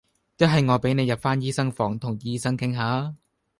一係我俾你入返醫生房同醫生傾吓呀